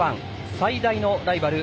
最大のライバル